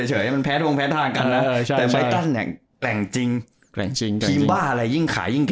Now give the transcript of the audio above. เจอใบตัน